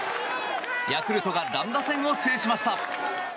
ヤクルトが乱打戦を制しました。